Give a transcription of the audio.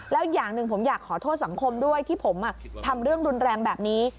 แล้วอย่างหนึ่งผมอยากขอโทษสังคมด้วยที่ผมทำเรื่องรุนแรงแบบนี้